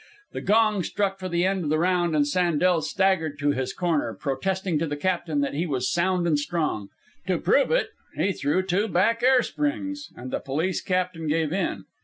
The gong struck for the end of the round and Sandel staggered to his corner, protesting to the captain that he was sound and strong. To prove it, he threw two back air springs, and the police captain gave in.